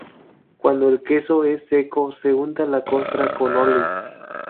Cuando el queso es seco se unta la costra con óleo.